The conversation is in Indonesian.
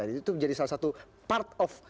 itu menjadi salah satu part of